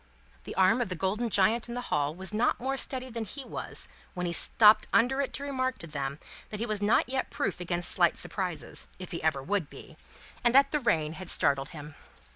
The arm of the golden giant in the hall was not more steady than he was, when he stopped under it to remark to them that he was not yet proof against slight surprises (if he ever would be), and that the rain had startled him.